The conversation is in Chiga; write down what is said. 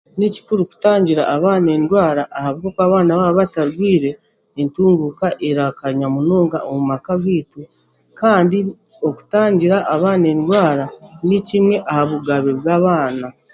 Ni kikuru kutangira abaana endwara ahabwokuba abaana baaba tabarwire